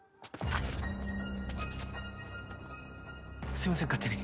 すいません勝手に。